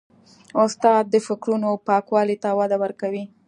استاد د فکرونو پاکوالي ته وده ورکوي.